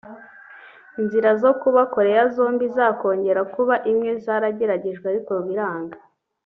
inzira zo kuba Korea zombi zakongera kuba imwe zarageragejwe ariko biranga